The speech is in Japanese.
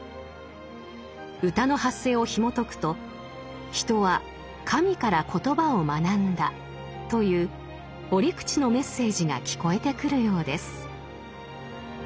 歌の発生をひもとくと「人は神から言葉を学んだ」という折口のメッセージが聞こえてくるようです。